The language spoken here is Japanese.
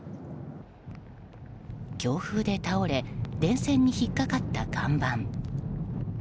強風で倒れ電線に引っかかった看板。